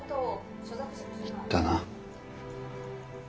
行ったな。